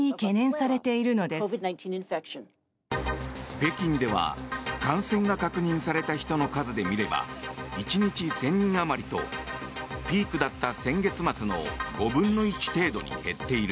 北京では感染が確認された人の数で見れば１日１０００人あまりとピークだった先月末の５分の１程度に減っている。